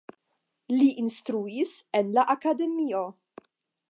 Li instruis en la akademio.